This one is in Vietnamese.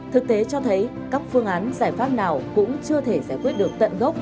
thực tế cho thấy các phương án giải pháp nào cũng chưa thể giải quyết được tận gốc